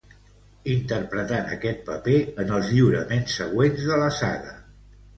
Interpretant este paper en els lliuraments següents de la saga.